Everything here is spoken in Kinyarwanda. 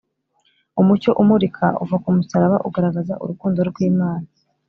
. Umucyo umurika uva ku musaraba ugaragaza urukundo rw’Imana